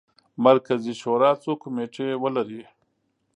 مرکزي شورا څو کمیټې ولري.